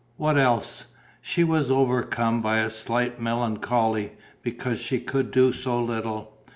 What else? She was overcome by a slight melancholy, because she could do so little.